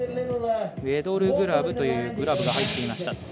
ウェドルグラブというグラブが入っていました。